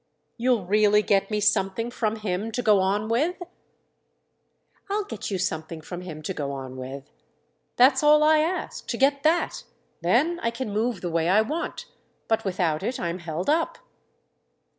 "You'll really get me something from him to go on with?" "I'll get you something from him to go on with." "That's all I ask—to get that. Then I can move the way I want. But without it I'm held up."